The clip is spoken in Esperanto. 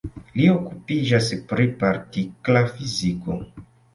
Li okupiĝas pri partikla fiziko.